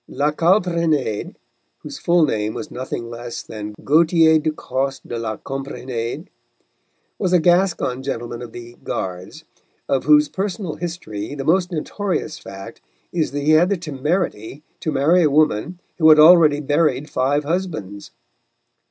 La Calprenède, whose full name was nothing less than Gautier de Costes de la Calprenède, was a Gascon gentleman of the Guards, of whose personal history the most notorious fact is that he had the temerity to marry a woman who had already buried five husbands.